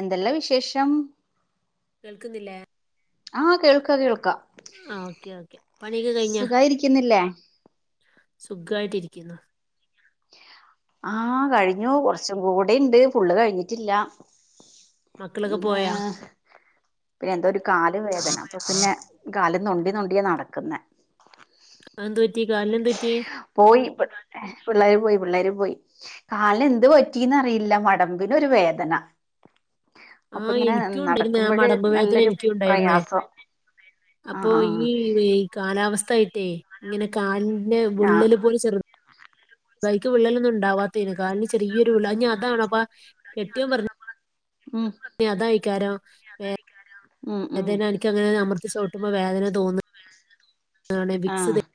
എന്തല്ല വിശേഷം കേൾക്കുന്നില്ലേ പ്പോ കേൾക്കാം ഓക്കെ ഓക്കെ പണിഒക്കെ കഴിഞ്ഞ സുഖായിരിക്കുന്നില്ലേ സുഖായിട്ടിരിക്കുന്നു ആഹ് കഴിഞ്ഞു കുറച്ചും കൂടെണ്ട് ഫുള്ള് കഴിഞ്ഞിട്ടില്ല മക്കളൊക്കെ ഇന്ന് പോയാ പിന്നെ എന്തോ ഒരു കാൽ വേദന അപ്പൊ പിന്നെ കാലം ഞൊണ്ടി ഞൊണ്ടിയ നടക്കുന്നെ അതെന്ത് പറ്റി കാലിനെന്തു പറ്റി [unintelligible] പിള്ളേര് പോയി പിള്ളേര് പോയി കാലിൻ എന്ത് പറ്റിന്ന്റിയില്ല മടമ്പിനൊ ഒരു വേദന അപ്പൊ ആഹ് ഇങ്ങനെ എനിക്കും ഉണ്ടായിരുന്നേ ആ നടക്കുമ്പോഴ് മടമ്പ വേദന നല്ലൊരു എനിക്ക ഉണ്ടായിരുന്നേ പ്രയാസം അപ്പോൊ ആഹ് ആഹ് ഈ കാലാവസ്ഥ [unintelligible] ഇങ്ങനെ കാലിന്റെ വിള്ളല് ആഹ് പോലെ ചെറു കയ്ക്കു വിള്ളലൊന്നും ഉണ്ടാവാത്തേെണ് കാലിന് ചെറിയൊരു വിള്ളല് ഞാ അതാണ അപ്പാ കെട്ടിയോൻ പറഞ്ഞു മം [unintelligible] വേ ഉം വേതേന എനിക്കങ്ങനെ അമർത്തി ചോട്ടുമ്പോ വേദന തോന്നാണ് വിക്സ് ആഹ് തേക്കു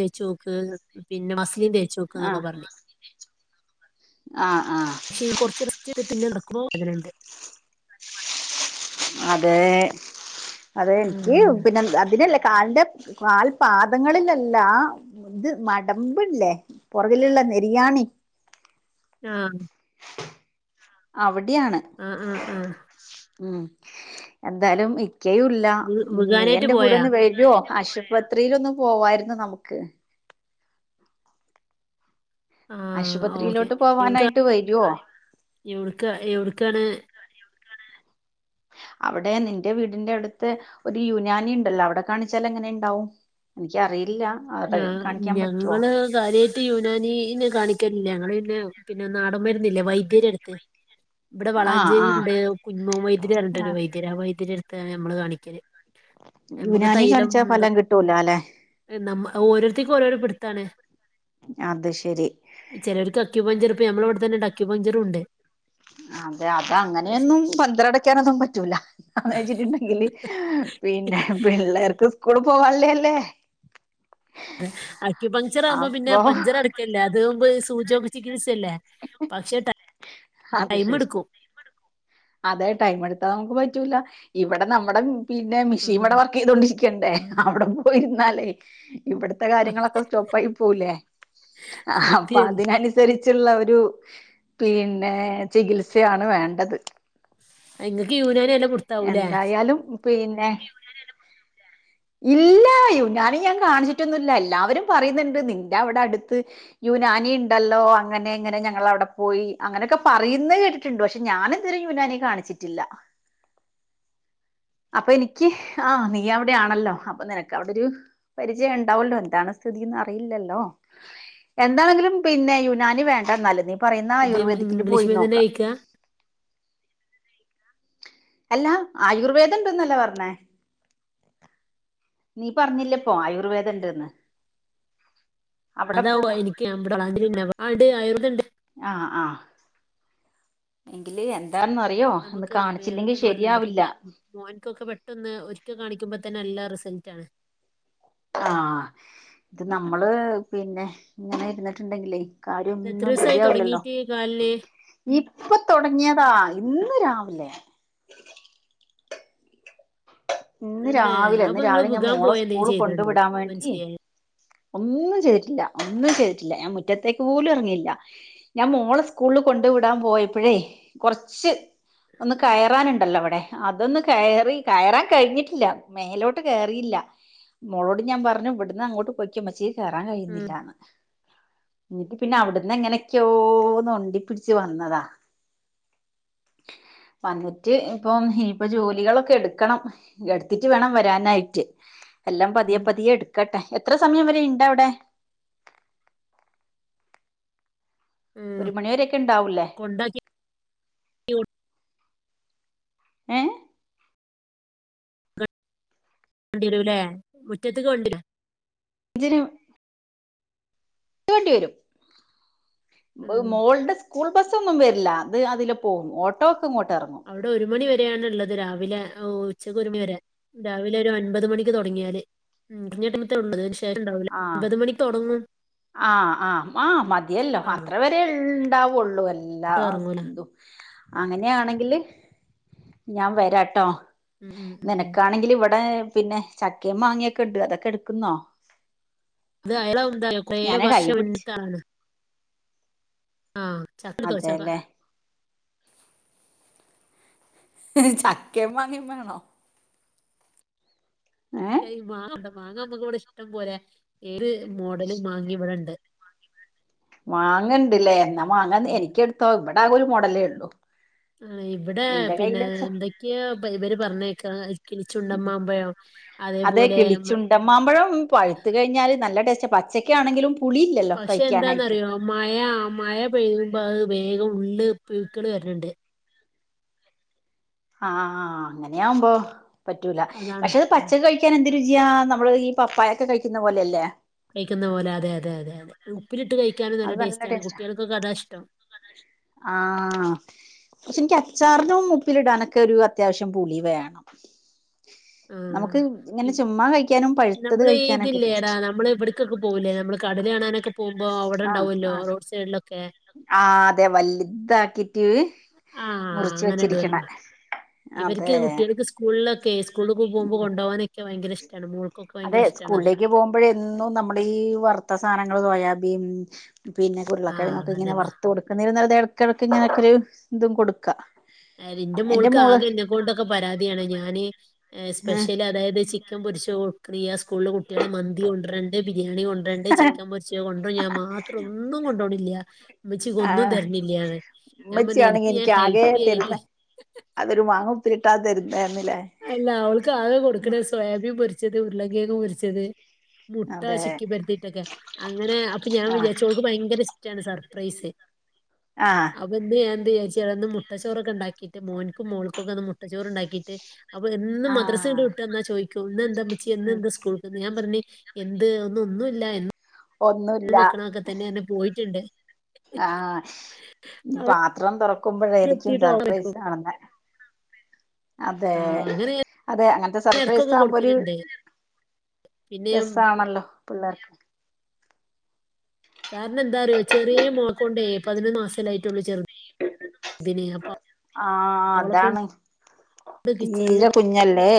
തേച്ചോക്ക് പിന്നെ മസ്ലിം തേച്ചോക്ക് എന്നൊക്കെ ആഹ് പറഞ്ഞ് ആഹ് ആഹ് പക്ഷെ കൊറച്ച് റസ്റ്റ് [unintelligible] പിന്നെ [unintelligible] [unintelligible] വേദനണ്ട് അതെ അതെ എനിക്ക് പിന്നെ അതിനല്ല കാലിന്റെ കാൽ പാദങ്ങളിലല്ല ഇത് മടമ്പില്ലേ പുറകിലുള്ള ബിരിയാണി ആഹ് അവിടെ ആഹ് ആഹ് ആഹ് ഉം എന്താലും ഇക്കയുല്ല വ് നീ വ്കാനായിട്ട് എന്റെ കൂടെ പോയാ ഒന്ന് വേര്ഒ ആശുപത്രില്ലോന്ന് പോവായിരുന്നു നമുക്ക് ആഹ് ഓക്കെ ആശുപത്രിയിലോട്ട് എവിട്ക്കാ പോവാനായിട്ട് വരുവോ എവിടുക്ക എവടക്കാണ് അവിടെ നിന്റെ വീടിന്റെ അടുത്ത് ഒരു യുനാനി ഉണ്ടല്ലോ അവിടെ കാണിച്ചാൽ എങ്ങനെ ഉണ്ടാവും എനിക്ക് അറിയില്ല ആ ഞങ്ങള് കാര്യമായിട്ട് യുനാനി കാണിക്ക ല്ല്യ ഞങ്ങള് പിന്നെ പിന്നെ നാടൻ വരുന്നില്ലേ വൈദ്യരടുത്ത് ഇവിടെ ആഹ് വളാഞ്ചേരി ആഹ് ഉണ്ട് കുഞ്ഞിമോൻ വൈദ്യര് പറഞ്ഞിട്ട് ആ വൈദ്യരടുത്താണ് നമ്മള് കാണിക്കല് നമുക്ക് യുനാനി തൈലം കാണിച്ചാ ഫലം എതൊക്കെ കിട്ടൂല അല്ലെ [unintelligible] നമ്മ ഓരോത്തേും ഓരോരോ പിടുത്താണ് അത് ശരി ചിലർക്ക് അക്യൂ പഞ്ചർ ഇപ്പ ഞമ്മള ഇവിടെത്തന്നെ അക്യൂ പഞ്ചറും ഉണ്ട് അതെ അത അങ്ങനെയൊന്നും പഞ്ചാറാടക്കാനൊന്നും പറ്റൂല അന്ന് വെച്ചിട്ടുണ്ടെങ്കില് പിന്നെ പിള്ളേർക്ക് സ്കൂള് പോവാനുള്ളേല്ലേ അക്യ പങ്ചർ ആവുമ്പോ പിന്നെ പഞ്ചർ അടക്കല്ലേ അത് ആവുമ്പൊ സൂചിയോഗ ചികിത്സ ല്ലേ പക്ഷേ അത്ശരി അതെ ടൈം എടുത്താ നമുക്ക് പറ്റൂല ഇവിടെ നമ്മുടെ പിന്നെ മെഷീൻ വിടെ ആഹ് വർക്ക് ചെയ്തോണ്ടിരിക്കണ്ടേ അവിട പോയിരുന്നാലേ ഇവിടത്തെ കാര്യങ്ങളൊക്കെ സ്റ്റോപ്പായി പോകുലേ അപ്പൊ സത്യാണ് അതിനനുസരി ച്ചുള്ള ഒരു പിന്നെ ചികിത്സയാണ് വേണ്ടത് എങ്ങക്ക് യുനാനിയല്ല എന്തായാലും പിന്നെ ഇല്ല യുനാനി ഞാൻ കാണിച്ചിട്ടൊന്നുംല്ല എല്ലാവരും പറയുന്നുണ്ട് നിന്റെ അവിടെ അടുത്ത് യുനാ അനി ഇണ്ടല്ലോ അങ്ങനെ ഇങ്ങനെ ഞങ്ങളവിടെ പോയി അങ്ങനെയൊക്കെ പറയുന്ന കേട്ടിട്ടുണ്ട് പക്ഷെ ഞാനിതുവരെ യുനാനി യ് കാണിച്ചിട്ടില്ല അപ്പൊ എനിക്ക് ആഹ് നീ അവിടെയാണല്ലോ അപ്പൊ നിനക്ക് അവിടെ ഒരു പരിചയം ഉണ്ടാവല്ലോ എന്താണ് സ്ഥിതിന്ന് അറിയില്ലല്ലോ എന്താണെങ്കിലും പിന്നെ യുനാനി വേണ്ട ന്നാല് നീ പറയുന്ന ഇത് ആയുർവേദിക്കില് ഇംഗ്ലീഷ് പോയി മീഡിയം തന്നെ നോക്കാം കഴിക്കാ അല്ലാ ആയുർവേദം ഉണ്ടെന്നല്ല പറഞ്ഞേ നീ പറഞ്ഞില്ല ഇപ്പൊ ആയുർവേദംണ്ടന്ന് അതാവോ എനിക്ക് അമ്മടെ വളാഞ്ചേരിണ്ട് ആയുർവേദണ്ട് ആ ആ എങ്കില് എന് നമുക്ക് പെട്ടെന്ന് മാറലുണ്ട് ശരിയാവില്ല പിന്നെ മോൻക്കൊക്കെ പെട്ടെന്ന് ഒരിക്ക കാണിക്കുമ്പോ ത്തനല്ല റിസൽട്ടാണ് ആഹ് ഇത് നമ്മള് പിന്നെ ഇങ്ങനെ ഇരുന്നിട്ടുണ്ടെങ്കിലേ ഇത് എത്ര കാര്യൊന്നും ദിവസായി റെഡിയാവില്ലല്ലോ തുടങ്ങിയിട്ട് കാലിന് ഈ ഇപ്പൊ തുടങ്ങിയതാ ഇന്ന് രാവിലെ ഇന്ന് തന്നെ രാവിലെ അപ്പൊ ഇന്ന് നിങ്ങള് രാവിലെ ഞാൻ വികാൻ മോളെ പോയ എന്തേലും സ്കൂള് കൊണ്ടു ചെയ്തിട്ടുണ്ടാവും വിടാൻ വേണ്ടി മനസ്സിലായി ഒന്നും ചെയ്തിട്ടില്ല ഒന്നും ചെയ്തിട്ടില്ല ഞാൻ മുറ്റത്തേക്ക് പോലും ഇറങ്ങിയില്ല ഞാൻ മോളെ സ്കൂളില് കൊണ്ടുവിടാൻ പോയപ്പോഴേ കുറച്ച് ഒന്ന് കയറാനുണ്ടല്ലോ അവിടെ അതൊന്ന് കയറി കയറാൻ കഴിഞ്ഞിട്ടില്ല മേലോട്ട് കേയറിയില്ല മോളോട് ഞാൻ പറഞ്ഞു ഇവിടുന്ന് അങ്ങോട്ട് പൊയ്ക്കൊ മ്മച്ചീ കേറാൻ ഉം കഴിയുന്നില്ലന്ന് ഞ്ഞി പിന്നെ അവിടുന്ന് എങ്ങനൊക്കെയോ നോണ്ടി പിടച്ച് വന്നതാ വന്നിട്ട് ഇപ്പം ഇനിയിപ്പ ജോലികളൊക്കെ എടുക്കണം എടുത്തിട്ട് വേണം വരാനായിട്ട് എല്ലാം ഉം പതിയെ പതിയെ എടുക്കട്ടെ എത്ര സ് സമയം വരെ ഇണ്ട് അവിടെ ഉം ഒരു മണി വരൊക്കെ ഉണ്ടാവൂല്ലേ കൊണ്ടാക്കി ഏഹ് വണ്ടിവരൂല്ലേ മുറ്റത്തക്ക് വണ്ടി വരും അച്നു ഇ വേണ്ടി വരും ഉം മോൾഡ സ് ക്കൂൾ ബസ്സൊന്നും വരില്ല ഇത് അതിലെ പോവും ഓട്ടോ ഇങ്ങോട്ട് ഇറങ്ങും അവ്ടെ ഒരു മണി വെ രെയാണ് ഇള്ളത് രാവിലെ ഉ ഉച്ചക്ക് ഒരുമണി വരെ രാവിലെ ഒരു ഒൻപത് മണിക്ക് തൊടങ്ങിയാല് ഉം [unintelligible] ഉള്ളത് [unintelligible] ഉണ്ടാവൂല്ല ഒൻപത് മണിക്ക് തൊടങ്ങും ആഹ് ആഹ് ആഹ് മതിയല്ലോ അത്ര വരെ ഇണ്ടാവോള്ളൂ ഒട്ടും ഇറങ്ങൂല എല്ലാസ്തും അങ്ങനെയാണെങ്കില് ഞാൻ വരാട്ടോ ഉം ഉം ഉം ഉം. നെനക്കാണെങ്കില് ഇവ ടെ പിന്നെ ചക്കിം മാങ്ങിയൊക്കണ്ട് അതൊക്കെ എട്ക്കുന്നോ ഇത് അയാളെ [unintelligible] കൊറേ വർഷം പിടിച്ച് മുന്നിക്കാണ് ആഹ് ചക്കെട്ത്ത് അതെല്ലേ [unintelligible] ചക്കേം മാങ്ങേം വേണോ ഏ [unintelligible] മാങ്ങണ്ട് മാങ്ങാ നമ്മക്ക് ഇവിടെ ഇഷ്ടം പോലെ ഏത് മോഡലു മാങ്ങിം ഇവടെണ്ട് മാങ്ങണ്ട്ല്ലേ എന്നാ മാങ്ങെന്ന് ഉം. എനിക്ക്യിട്ത്തൊ ഇവടെ ആകെ ഒരു മോഡലേള്ളു ആഹ് ഇവടെ പിന്നെ എന്തൊക്ക്യയൊ ഇബല് ഇവര് പറഞ്ഞേക്കാ അഹ് ഉം അതെ കിളിച്ചുണ്ടൻ മാമ്പഴം പഴുത്ത് കഴിഞ്ഞാല് നല്ല ടേസ്റ്റാ പ ച്ചക്ക്യാണെങ്കിലും പക്ഷെ എന്താന്നറിയോ മഴ മഴ പെയ്യുമ്പോ അഹ് വേഗം ഉള്ള് പുഴുക്കള് വരുന്നുണ്ട് ആഹ് അങ്ങനെയാവുമ്പോ പറ്റൂല അതാണ് പക്ഷെ അത് ഉം. പച്ചക്ക് കഴിക്കാന ന്തു രുചിയാ നമ്മള് ഈ പപ്പായൊക്കെ കഴിക്കുന്ന പോലെയല്ലേ കഴിക്കുന്ന പോലെ അതെ അതെ അതെ ഉപ്പിലിട്ട് കഴിക്കാനും നല്ല അത് ടേസ്റ്റാണ് ടേസ്റ്റാ കുട്ടികൾക്കൊക്കെ അതാണ് ഇഷ്ടം ആഹ് പക്ഷെ എനിക്ക് അച്ചാറിനും ഉപ്പിലിടാനൊക്കെ ഒരു അത്യാവശ്യം പുളി വേണം ആ നമുക്ക് ഇങ്ങനെ ചുമ്മാ കഴിക്ക നമ്മള് ഇതില്ലേടാ നമ്മള് ഇവിടക്കൊക്കെ പോകൂല്ലേ നമ്മള് കടൽ കാണാനൊക്കെ പോകുമ്പോ ആഹ് അവിടെണ്ടാവല്ലോ ആഹ് റോഡ് സൈഡിലൊക്കെ ആഹ് അതെ വല്ല്താക്കി റ്റ് ആ മുറിച്ച് അങ്ങനെ വെച്ചിരിക്കണ ഇടുമല്ലോ അതെ ക്കെ സ്കൂള്ക്ക് പോക്മ്പൊ ഉം കൊണ്ടോകാനക്കെ ഭയങ്കര ഇഷ്ടാണ് മോ അതെ സ്കൂളിലേക്ക് പോകുമ്പോഴെന്നും നമ്മുടെ ഈ വർത്ത സാധനങ്ങൾ സോയാബീൻ പിന്നെ ആ അതന്നെ ഉരുളക്കിഴങ്ങൊക്കെങ്ങനെ വറുത്തു കൊടുക്കുന്നേലും നല്ലത് ഇടക്കിടക്ക് ഇങ്ങനെയൊക്കെ ഒരു ഇതും കൊടുക്കാ എന്റെ മോൾക്ക് ആകെ എന്നെക്കൊണ്ടൊക്കെ പരാതിയാണ് ഞാന് സ്പെഷ്യല് അതായത് ചി ക്കൻ പൊരിച്ചത് കൊട്ക്ക്ണില്ലാ സ്കൂളിലെ കുട്ടികള് മന്തി കൊണ്ടരണ്ട് ബിരിയാണി കൊണ്ടരണ്ട് ചിക്കൻ പൊരിച്ചത് കൊണ്ടരും ഞാൻ മാത്രം ഒന്നും കൊണ്ടോണില്ല ആഹ് ഞാൻ ഉമ്മച്ചി പറഞ്ഞു ആണെങ്കി എനിക്ക് ഞാൻ ഇൻക്ക് ആകേ ഹെൽത്തി ആയിട്ട് തരുന്ന അതൊരു മാങ്ങപ്പുലിട്ടാ തരു അല്ല അവൾക്ക് ആകെ കൊടുക്കണ സോയാബീൻ പൊരിച്ചത് ഉരുള കേങ്ങ് പൊരിച്ചത് മുട്ട അതെ ചിക്കി പരത്തീട്ടൊക്കെ അങ്ങനെ അപ്പൊ ഞാൻ ആ വിചാരിച്ചു ഓൾക്ക് ഭയങ്കര ച്ചാണ് സർ പ്രൈസ് ആ അപ്പൊ ത് ഞാൻ [unintelligible] ന്ന് എന്ത് വിചാരിച്ച് മുട്ടച്ചോറൊക്കെണ്ടാക്കിട്ട് മോന്ക്കും മോൾക്കൊക്കെന്ന് മുട്ടച്ചോറ് ണ്ടാക്കിട്ട് അപ്പൊ എന്നും ആ മദ്രസങ്ങട്ട് വിട്ട് വന്നാ ചോയ്ക്കും ഇന്ന് എന്താമ്മിച്ചി ഉം ന്ന്ന്താ സ്കൂൾക്ക് ഞാൻ പറഞ്ഞു എന്ത് ന്ന് ഒന്നുല്ല ഒന്നുല്ല ന്നും വക്കണൊക്കെ തന്നെർഞ്ഞ് പോയിട്ടുണ്ട് ആഹ് ഇഞ്ഞി പാത്രം ഇവിടെ തുറക്കുമ്പോഴായിരിക്കും എത്തിയിട്ട് ഓള് സർപ്രൈസ് ചോദിക്കും കാണുന്നെ അതെ ആ അങ്ങനെ അതെ അങ്ങനത്തെ ഞാൻ സർപ്രൈസ് ഇടക്കൊക്കെ ആകുമ്പോ ഒരു കൊടുക്കലുണ്ട് പിന്നെ രസാണല്ലോ പിള്ളേർക്ക് കാരണം എന്താറിയോ ചെറിയ മോളക്കൊണ്ടേ പതിനൊന്ന് മാസല്ലേ ആയിട്ടുള്ളു ചെറു തിന് അപ്പൊ ആഹ് അവളെ കൊണ്ട് അതാണ് കിച്ചണില് തീരെ കുഞ്ഞല്ലേ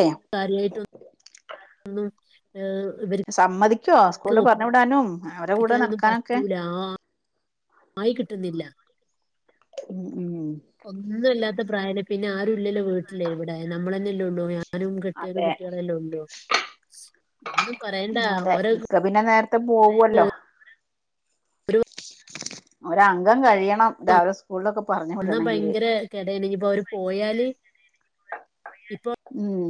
ഉം ആഹ് സമ്മതിക്കുവോ സ്കൂള്ള് പറഞ്ഞ് വിടാനും അവരെ കൂടെ ഒപ്പിക്കാനൊന്നും നടക്കാനൊക്കെ പറ്റൂല ആ ആയി കിട്ടുന്നില്ല ഉം ഉം ഒന്നിനും അല്ലാത്ത പ്രായല്ലെ പിന്നാരുല്ലല്ലോ വീട്ടിലേ ഇവിടെ നമ്മളെന്നല്ലെ ഉള്ളു ഞാനും കെട്ടിയോനും അതെ കുട്ട്യാളല്ലേ ഉള്ളൂ ന്നും പറയേണ്ട അതെ ഓരോ ഇക്ക പിന്നെ നേരത്തെ പോവല്ലോ ഒരു അവര അംഗം കഴിയണം രാവിലെ സ്കൂളിലൊക്കെ പറഞ്ഞു വന്നാ വിടണമെങ്കില് ഭയങ്കര കെടയാണ് ഇനിയിപ്പോ അവര് പോയാല് ഇപ്പൊ ഉം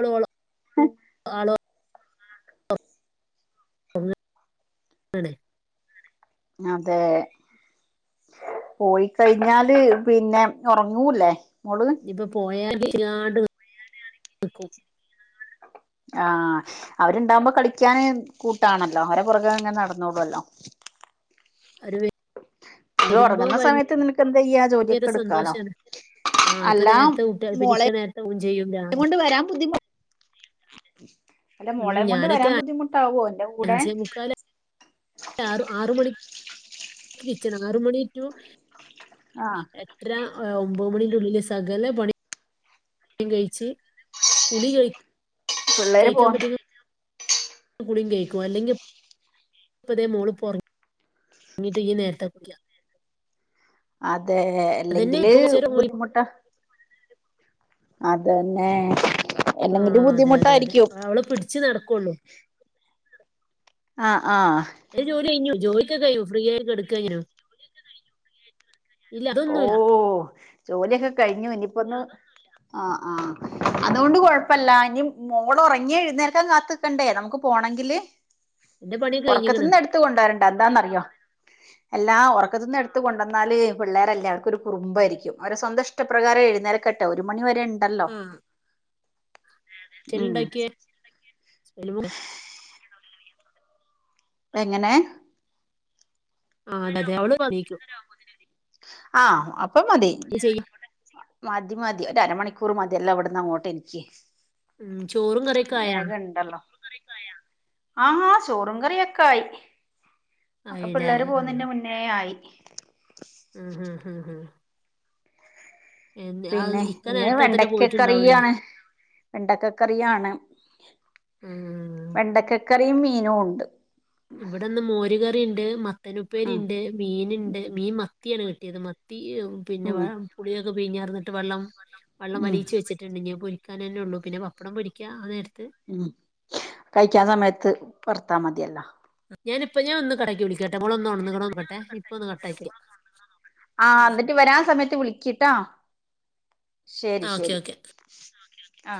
അവള് ഓള് [unintelligible] ആണ് അതേ പോയി കഴിഞ്ഞാല് പിന്നെ ഉറങ്ങൂല്ലേ മോള് ഞ്ഞിപ്പൊ പോയാൽ ആണ് ആ അവരുണ്ടാകുമ്പോ കളിക്കാന് കൂട്ടാണല്ലോ അവരെ പുറകെ ഇങ്ങനെ നടന്നോളുമല്ലോ ഒരുവി ഇത് ഉറങ്ങുന്ന സമയത്ത് നിനക്ക്യെന്തേയ ഭയങ്കര ജോലിയൊക്കെ എടുക്കാലോ സന്തോഷാണ് ആ ഇപ്പൊ അല്ല നേരത്തെ കുട്ടികൾ പിന്നെ മോളെ ഇക്ക നേരത്തെ ഊൺ ചെയ്യും രാവിലെ കൊണ്ട് വരാൻ ബുദ്ധിമുട്ട അല്ല ഉം മോളയും കൊണ്ട് ഞാനൊക്കെ വരാൻ ബുദ്ധിമുട്ടാവുമോ ഇന്റെ കൂടെ ആ ആറ് മണി ആറ് കിച്ചണ ആറ് മണി ടു ആ എട്ടര ഒമ്പത് മണിന്റെ ഉള്ളിൽ സകല പണി പണിയും കഴിച്ച് കുളികഴി പിള്ളേര് പോ കുളിയും കഴികും അല്ലെങ്കിൽ പ്പതേ മോള്റങ്ങിട്ട് പോ ഇ നേരത്തെ കുളിക്ക. അതെ അല്ലെങ്കിൽ ഇപ്പൊ കുറച്ചേരം ബുദ്ധിമുട്ടാ അതന്നെ ആ അല്ലെങ്കില് അതെ അതെ അതെ ബുദ്ധിമുട്ടായിരിക്കും അവള് പിടിച്ച് നടക്കൊള്ളൂ ആ ആ ഇൻ്റേ ജോലി കഴിഞ്ഞു ജോലിക്കെ കഴിയും ഫ്രീ ആയി കടക്ക ഞാ ഇല്ല ഓ അതൊന്നുംല്ല ജോലിയൊക്കെ കഴിഞ്ഞു ഇനിയിപ്പോ ഒന്ന് ആആ് അതുകൊണ്ട് കൊഴപ്പല്ല ഇനി മോള ഉറങ്ങി എഴുന്നേൽക്കാൻ കാത്ത്ക്കണ്ടേ നമുക്ക് പോ പോണങ്കിൽ എന്റെ പണിയൊക്കെ കഴിഞ്ഞിക്കണ് ഉറക്കത്തിന്ന് എടുത്ത് കൊണ്ടവരണ്ട എന്താന്നറിയോ എല്ലാ ഉറക്കത്തിന്ന് എടുത്ത് കൊണ്ടുന്നാൽ പിള്ളേരെല്ല ആവർക്ക് ഒരു കുറുംബായിരിക്കും അവരെ സ്വന്തം ഇഷ്ടപ്രകാരം യെഴുന്നേൽകേട്ടെ ഒരു മണി വരെ യെ ണ്ടല്ലോ. ആ ചെല്ലുണ്ടാക്കിയ എങ്ങനെ ആ അതതെ അവൾ ഇപ്പൊ എണീക്കും ആ അപ്പ മതി ഇത് ചെയ്യാം മതി മതി ഒര അരമണിക്കൂർ മതി ഇതെല്ലാം എവിടന്ന് അങ്ങോട്ട് എനിക്ക് ഉം, ചോറും കറിയൊക്കെ ആയാ വേഗം ഇണ്ടലോ ആ ആ ചോറും കറിയൊക്കെ ആയി ഒക്കെ ആയില്ലേ പിള്ളേർ പോകുന്നതിന്റെ മുന്നേ ആയി ഉം ഹം ഹും ഹും പിന്നെ ഇന്ന് നേരത്തെ തന്നെ പോയിട്ടുണ്ടാവൂലേ വെണ്ടക്കക്കറിയാണ് വെണ്ടക്കക്കറിയാണ് ഉം വെണ്ടക്കക്കറിയും മീനും ഉണ്ട് ഇവിടെന്ന് മോരുകറിണ്ട് മത്തനുപ്പേരി ഉം ഉണ്ട് മീനുണ്ട് മീൻ മത്തിയാണ് കിട്ടിയത് മത്തി പി യും പിന്നെ വ ഉം പുളിയൊക്കെ പിഞാ റന്നിട്ട് വെള്ളം ഉം അലീച്ചു വെച്ചിട്ടുണ്ടെഞാ കിക്കാൻ തന്ന ഒള്ളൂ പിന്നെ പപ്പടം പോ രിക്കഅ നേരത്തെ ഉം കഴിക്കാൻ സമയത്ത് വർത്ത മതിയല്ലോ ഞാനിപ്പ ഞാൻ ഒന്ന് കടാക്കി വിളിക്കാട്ടോ മോൾ ഒന്ന് ഓണന്നുക്ണോ നോക്കട്ടെ ഇപ്പൊ ഒന്ന് കട്ടക്കിട്ട് വിളിക്കാട്ടോ ആ് എന്ന എന്നിട്ട് വരാൻ സമയത്ത് വിളിക്കിട്ടാ ആ, ശരി ഓക്കെ ശരി ഓക്കെ ആ